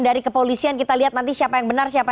dari kepolisian kita lihat nanti siapa yang benar siapa